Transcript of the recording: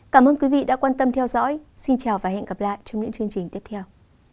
cảm ơn quý vị đã quan tâm theo dõi xin chào và hẹn gặp lại trong những chương trình tiếp theo